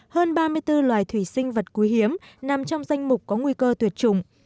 hơn ba mươi bốn loài thủy sinh vật quý hiếm nằm trong danh mục có nguy cơ tuyệt chủng